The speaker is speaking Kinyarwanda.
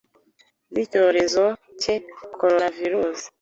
z’icyorezo cye Coronevirus.